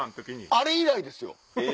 あれ以来ですよ。